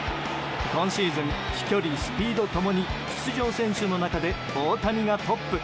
今シーズン、飛距離スピード共に出場選手の中で大谷がトップ。